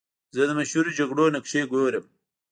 زه د مشهورو جګړو نقشې ګورم.